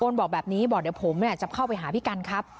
บอกแบบนี้บอกเดี๋ยวผมจะเข้าไปหาพี่กันครับ